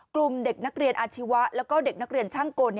กลุ่มเด็กนักเรียนอาชีวะแล้วก็เด็กนักเรียนช่างกล